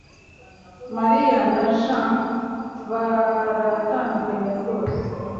Mariya na Joan baratandukanye rwose